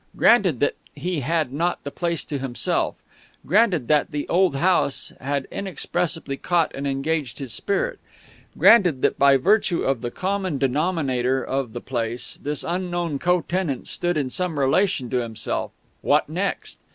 Granted that he had not the place to himself; granted that the old house had inexpressibly caught and engaged his spirit; granted that, by virtue of the common denominator of the place, this unknown co tenant stood in some relation to himself: what next?